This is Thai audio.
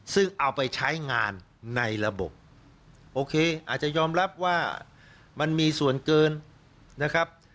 ซึ่งเอาไปใช้งานในระบบโอเคอาจจะยอมรับว่ามันมีส่วนเกินนะครับ